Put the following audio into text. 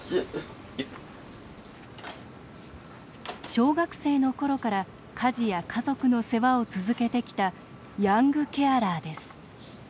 小学生のころから家事や家族の世話を続けてきたヤングケアラーです